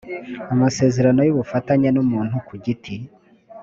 amasezerano y ubufatanye n umuntu ku giti